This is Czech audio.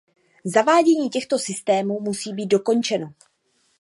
Zavádění těchto systémů musí být dokončeno.